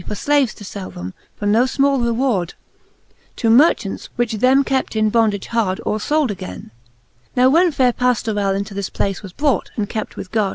For flaves to fell them, for no fmall reward,, To merchants, which them kept in. bondage hard,. Or fold againe. Now when faire Pajiorell Into this place was brought, and kept with gard.